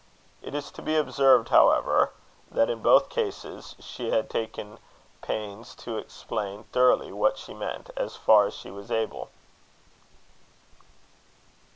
It is to be observed, however, that in both cases she had taken pains to explain thoroughly what she meant, as far as she was able.